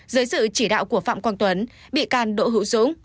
dưới sự chỉ đạo của phạm quang tuấn bị can đỗ hữu dũng